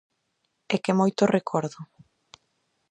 E que moito recordo.